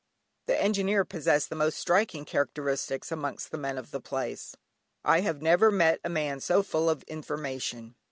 The Engineer possessed the most striking characteristics amongst the men of the place. I have never met a man so full of information.